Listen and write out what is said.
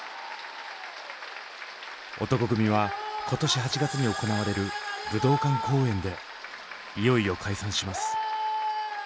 男闘呼組は今年８月に行われる武道館公演でいよいよ解散します。